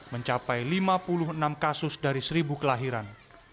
mencapai lima puluh enam kasus dari seribu kelahiran